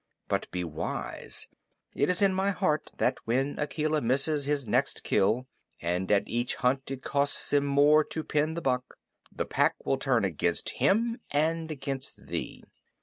But be wise. It is in my heart that when Akela misses his next kill and at each hunt it costs him more to pin the buck the Pack will turn against him and against thee.